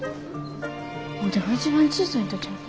ワテが一番小さいんとちゃうか？